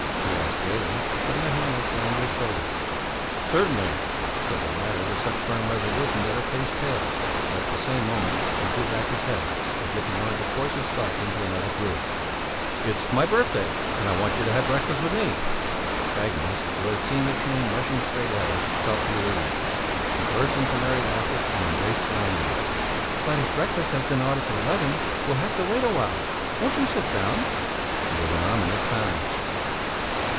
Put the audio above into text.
she asked gaily, putting her hand on Falander's shoulder. "Certainly," said the latter, with such firm resolution that her face paled; but at the same moment he threw back his head, as if he wanted to force his thoughts into another groove, "it's my birthday, and I want you to have breakfast with me." Agnes, who had seen the train rushing straight at her, felt relieved; she burst into merry laughter and embraced Falander. "But as breakfast has been ordered for eleven, we'll have to wait a while. Won't you sit down?" There was an ominous silence.